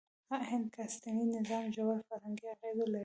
هند کاسټي نظام ژور فرهنګي اغېز لري.